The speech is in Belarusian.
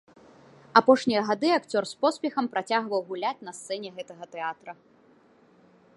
Апошнія гады акцёр з поспехам працягваў гуляць на сцэне гэтага тэатра.